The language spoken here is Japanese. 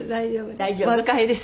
大丈夫です。